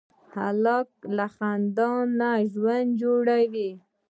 هلک له خندا نه ژوند جوړوي.